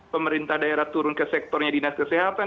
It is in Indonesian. pemerintah daerah turun ke sektornya dinas kesehatan